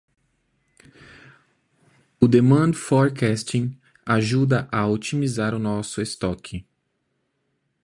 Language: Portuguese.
O demand forecasting ajuda a otimizar nosso estoque.